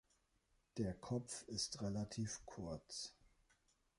Der Kopf ist relativ kurz.